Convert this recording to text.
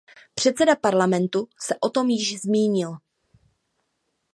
Předseda Parlamentu se o tom již zmínil.